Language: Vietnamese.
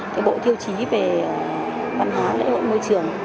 cái bộ tiêu chí về văn hóa lễ hội môi trường